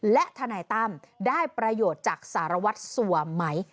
และทนายตั้มได้ประโยชน์จากสารวัตรสัวไหม